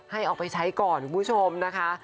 ให้ออกไปใช้ก่อนคุณผู้ชมนะคะ